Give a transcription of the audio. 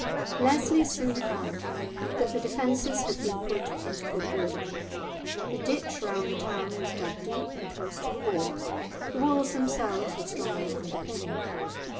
Leslie soon found that the defences had been put into good order; the ditch round the town was dug deep, and close to the walls; the walls themselves were strongly underpinned.